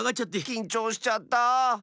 きんちょうしちゃったあ。